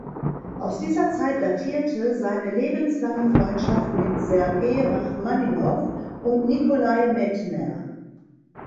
Aus dieser Zeit datierte seine lebenslange Freundschaft mit Sergei Rachmaninow und Nikolai Medtner.